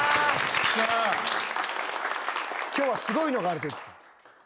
今日はすごいのがある？